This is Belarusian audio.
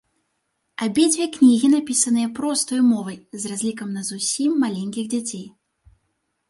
Абедзве кнігі напісаныя простаю мовай, з разлікам на зусім маленькіх дзяцей.